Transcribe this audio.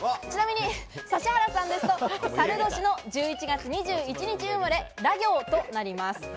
ちなみに指原さんだと申年の１１月２１日生まれ、ら行となります。